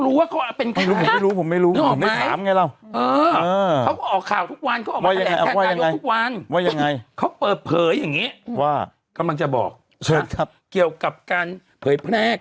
รางวัลตั้งแต่บาทละหนึ่งร้อยถึงหนึ่งพัน